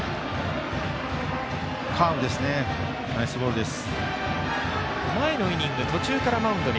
カーブですね、ナイスボールです。